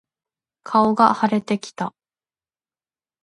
顔が腫れてきた。